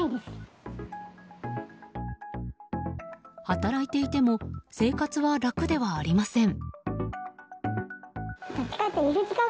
働いていても生活は楽ではありません。